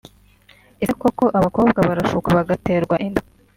Ese koko abakobwa barashukwa bagaterwa inda